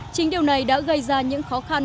chính điều này đã gây ra những khó khăn